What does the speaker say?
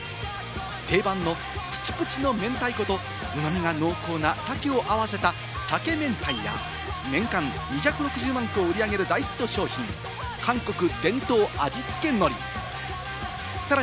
定番のプチプチの明太子と旨みが濃厚な、さけを合わせた「さけめんたい」や、年間２６０万個を売り上げる大ヒット商品、韓国伝統味付のり。